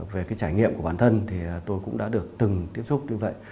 về cái trải nghiệm của bản thân thì tôi cũng đã được từng tiếp xúc như vậy